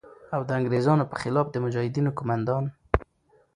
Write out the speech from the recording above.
او د انگریزانو په خلاف د مجاهدینو قوماندان